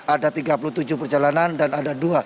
ada tiga puluh tujuh perjalanan dan ada dua